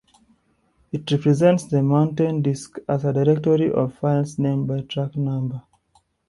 It represents the mounted disc as a directory of files named by track number.